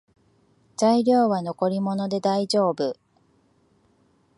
材料は残り物でだいじょうぶ